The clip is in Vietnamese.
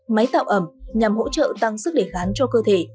máy tạo ẩm nhằm hỗ trợ tăng sức đề kháng cho cơ thể